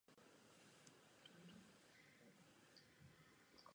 Věřím, že dnešní rozprava jedním z takových významných kroků bude.